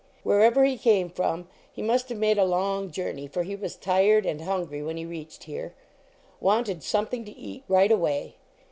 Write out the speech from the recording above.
Wherever he came from he must have made a long journey, for he was tired and hungry when he reached here. Wanted something to eat right away.